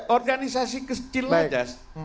organisasi kecil saja